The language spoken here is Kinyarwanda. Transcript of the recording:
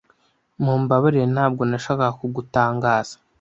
Mumbabarire, ntabwo nashakaga kugutangaza.